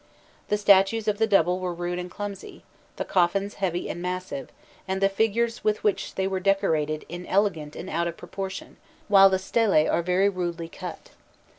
The statues of the double were rude and clumsy, the coffins heavy and massive, and the figures with which they were decorated inelegant and out of proportion, while the stelæ are very rudely cut.